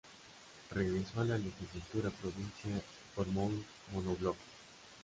Regresó a la Legislatura provincial y formó un monobloque.